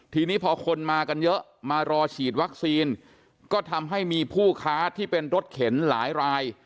ทีนี้พอคนมากันเยอะมารอฉีดวัคซีนก็ทำให้มีผู้ค้าที่เป็นรถเข็นหลายราย